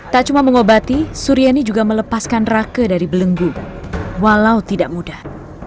tak cuma mengobati suryani juga melepaskan rake dari belenggu walau tidak mudah